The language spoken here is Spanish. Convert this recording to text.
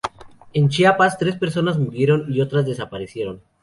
En Chiapas, tres personas murieron y otras dos desaparecieron.